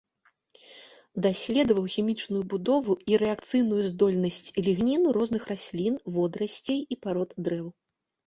Даследаваў хімічную будову і рэакцыйную здольнасць лігніну розных раслін, водарасцей і парод дрэў.